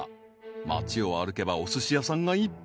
［街を歩けばおすし屋さんがいっぱい］